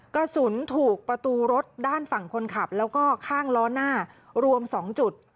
กระสุนถูกประตูรถด้านฝั่งคนขับแล้วก็ข้างล้อหน้ารวม๒จุด